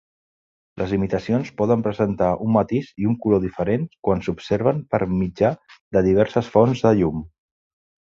Les imitacions poden presentar un matís i un color diferents quan s'observen per mitjà de diverses fonts de llum.